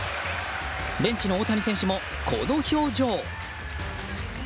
ベンチの大谷選手も、この表情。